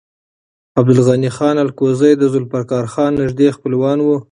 عبدالغني خان الکوزی د ذوالفقار خان نږدې خپلوان و.